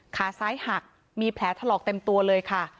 ขาซ้ายหักมีแผลถลอกเต็มตัวเลยค่ะ